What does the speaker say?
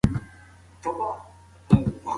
هڅه وکړه چې د زده کړې او عمل تر منځ توازن وساته.